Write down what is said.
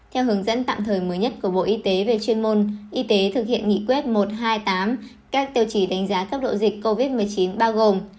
theo hướng dẫn tạm thời mới nhất của bộ y tế về chuyên môn y tế thực hiện nghị quyết một trăm hai mươi tám các tiêu chí đánh giá cấp độ dịch covid một mươi chín bao gồm